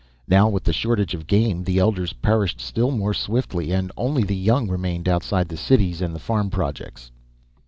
Now, with the shortage of game, the elders perished still more swiftly and only the young remained outside the cities and the farm projects.